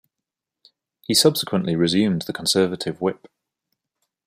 He subsequently resumed the Conservative Whip.